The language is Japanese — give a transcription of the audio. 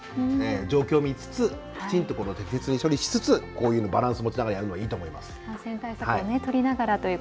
状況を見つつきちんと適切に処理しつつこういうバランスを持ちながらやるのはいいと思います。